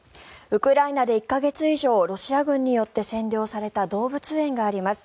ウクライナで１か月以上ロシア軍によって占領された動物園があります。